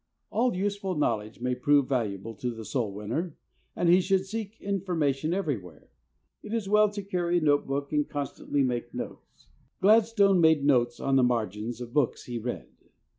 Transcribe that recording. All useful knowledge may prove valuable to the soul winner, and he should seek in formation everywhere. It is well to carry a note book and constantly make notes. Glad stone made notes on the margins of books he read.